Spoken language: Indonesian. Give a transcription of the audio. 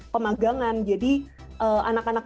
pemagangan jadi anak anak